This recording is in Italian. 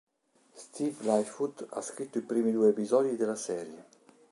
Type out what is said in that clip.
Steve Lightfoot ha scritto i primi due episodi della serie.